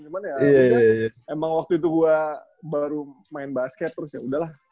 cuman ya emang waktu itu gue baru main basket terus yaudahlah